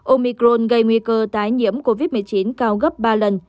omicron gây nguy cơ tái nhiễm covid một mươi chín cao gấp ba lần